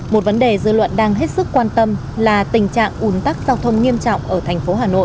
một vấn đề dư luận đang hết sức quan tâm là tình trạng ủn tắc giao thông nghiêm trọng ở thành phố hà nội